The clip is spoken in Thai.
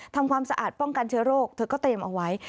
ทำความสะอาดป้องกันเชื้อโรคเธอก็เตรียมเอาไว้